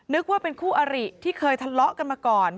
นึกว่าเป็นคู่อริที่เคยทะเลาะกันมาก่อน